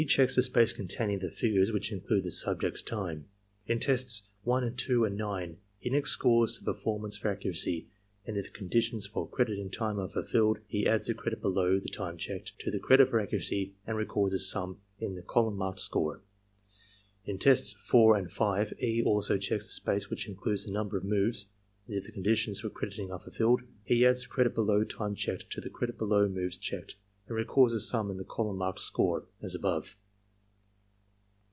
checks the space containing the figures which include the subject's time. In tests 1, 2, and 9, he next scores the performance for accuracy; and, if the condi tions for crediting time are fulfilled, he adds the credit below the time checked to the credit for accuracy and records the sum in the colunm marked ''score." In tests 4 and 5, E. also checks the space which includes the number of moves; and, if the conditions for crediting are fulfilled, he adds the credit below time checked to the credit below moves checked and records the sum in the column marked "score," as above.